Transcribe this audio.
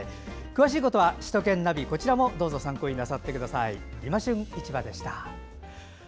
詳しいことは首都圏ナビを参考になさってください。